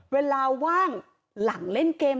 เวลาว่างหลังเล่นเกม